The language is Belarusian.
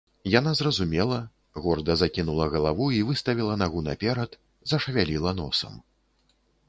Яна зразумела, горда закінула галаву і выставіла нагу наперад, зашавяліла носам.